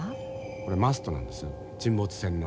これマストなんです沈没船の。